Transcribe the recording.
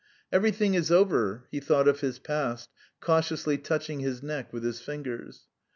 "Everything is over," he thought of his past, cautiously touching his neck with his fingers.